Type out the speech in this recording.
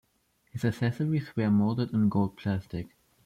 His accessories were molded in gold plastic.